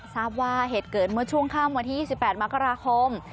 ทราบว่าเหตุเกิดเมื่อช่วงค่ำวันที่๒๘มกราคม